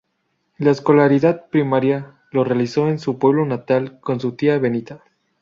La escolaridad primaria la realizó en su pueblo natal, con su tía Benita.